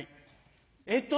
えっと